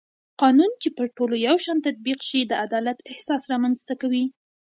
قانون چې پر ټولو یو شان تطبیق شي د عدالت احساس رامنځته کوي